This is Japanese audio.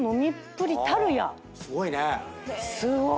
すごいね。